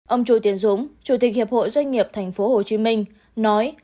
ông chủ tiến dũng chủ tịch hiệp hội doanh nghiệp thành phố hồ chí minh nói